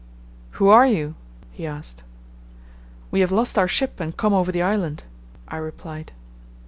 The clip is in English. "Who are you?" he asked. "We have lost our ship and come over the island," I replied.